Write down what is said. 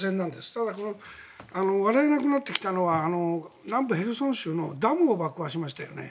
ただ、笑えなくなってきたのは南部ヘルソン州のダムを爆破しましたよね。